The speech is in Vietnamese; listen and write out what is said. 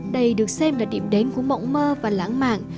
đây được xem là điểm đến của mộng mơ và lãng mạn